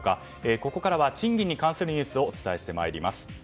ここからは賃金に関するニュースをお伝えしてまいります。